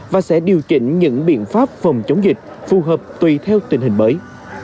và sẽ điều chỉnh những biện pháp phòng chống dịch phù hợp tùy theo tình hình mới